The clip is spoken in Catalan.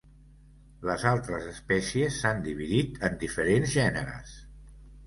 Les altres espècies s'han dividit en diferents gèneres.